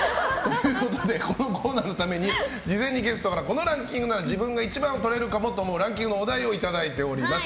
このコーナーのために事前にゲストからこのランキングなら自分が１番をとれるかもというランキングのお題をいただいております。